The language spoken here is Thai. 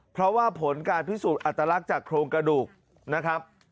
เพราะว่าผลการพิสูจน์อัตลักษณ์จากโครงกระดูกนะครับ